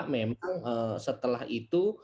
memang setelah itu